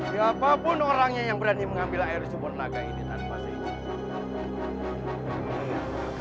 siapapun orangnya yang berani mengambil air di subur naga ini tanpa sih